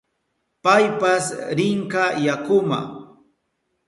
Paypas rinka yakuma.